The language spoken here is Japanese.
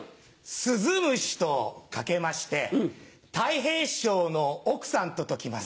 鈴虫と掛けましてたい平師匠の奥さんと解きます。